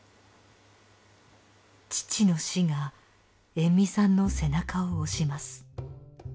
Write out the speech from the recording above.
父の死が延味さんの背中を押します。